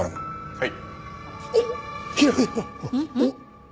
はい。